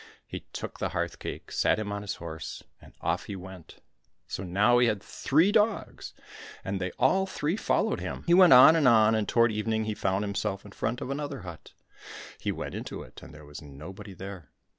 He took the hearth cake, sat him on his horse, and off he went. So now he had three dogs, and they all three followed him. He went on and on, and toward evening he found himself in front of another hut. He went into it, and there was nobody there.